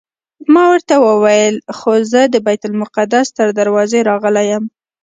ما ورته وویل خو زه د بیت المقدس تر دروازې راغلی یم.